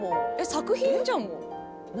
「作品じゃんもう」